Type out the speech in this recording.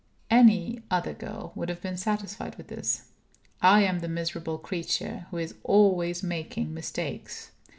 Any other girl would have been satisfied with this. I am the miserable creature who is always making mistakes.